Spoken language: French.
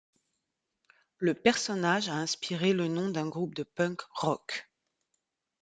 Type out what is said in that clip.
Le personnage a inspiré le nom d'un groupe de punk rock.